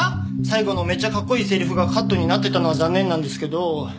最後のめっちゃかっこいいセリフがカットになってたのは残念なんですけど。